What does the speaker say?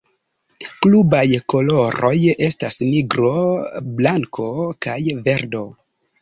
Klubaj koloroj estas nigro, blanko kaj verdo.